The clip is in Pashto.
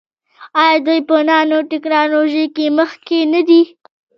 آیا دوی په نانو ټیکنالوژۍ کې مخکې نه دي؟